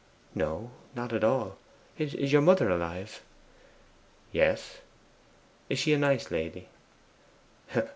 'No, not at all. Is your mother alive?' 'Yes.' 'Is she a nice lady?